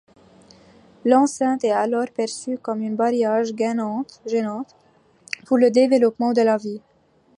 L'enceinte est alors perçue comme une barrière gênante pour le développement de la ville.